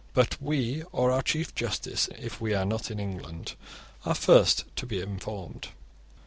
But we, or our chief justice if we are not in England, are first to be informed.